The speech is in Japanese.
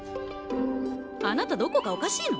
あなたどこかおかしいの？